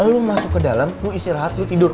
lu masuk ke dalam lu istirahat lu tidur